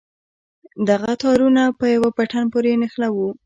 دغه تارونه په يوه بټن پورې نښلوو.